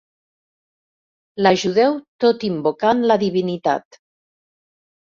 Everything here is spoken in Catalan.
L'ajudeu tot invocant la divinitat.